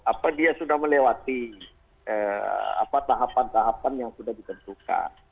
apa dia sudah melewati tahapan tahapan yang sudah ditentukan